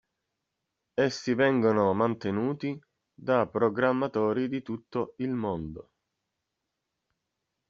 Essi vengono mantenuti da programmatori di tutto il mondo.